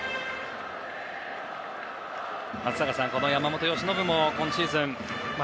松坂さん、山本由伸も今シーズン